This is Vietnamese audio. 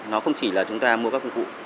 nó không chỉ là chúng ta mua các công cụ